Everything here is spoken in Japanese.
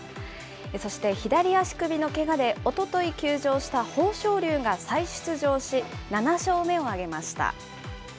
そして左足首のけがでおととい休場した豊昇龍が再出場し、７勝目を挙げました。